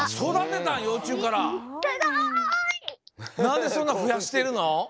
なんでそんなふやしてるの？